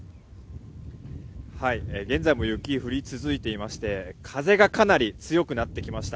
現在も雪は降り続いていまして風がかなり強くなってきました。